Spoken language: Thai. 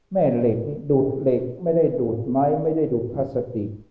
เหล็งดูดเหล็กไม่ได้ดูดไม้ไม่ได้ดูดพลาสติก